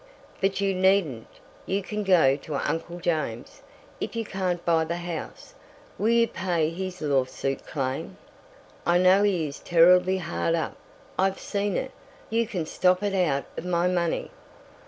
"But you needn't; you can go to Uncle James. If you can't buy the house, will you pay his lawsuit claim? I know he is terribly hard up—I've seen it. You can stop it out of my money!"